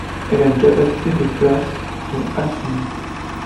Elle a une capacité de places dont assises.